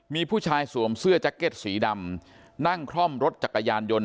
มีผู้ชายสวมเสื้อแจ็คเก็ตสีดำนั่งคล่อมรถจักรยานยนต์